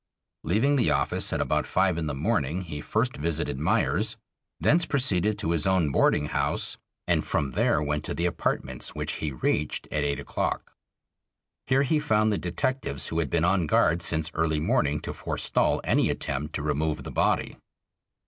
Leaving the office at about five in the morning he first visited Meyers, thence proceeded to his own boarding house, and from there went to the apartments, which he reached at eight o'clock. Here he found the detectives who had been on guard since early morning to forestall any attempt to remove the body.